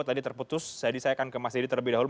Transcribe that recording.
tadi terputus saya akan ke mas deddy terlebih dahulu